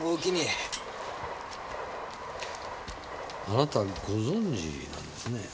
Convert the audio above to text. あなたご存知なんですねぇ。